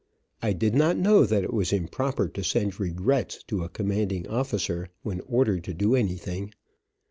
I did not know that it was improper to send regrets to a commanding officer when ordered to do anything.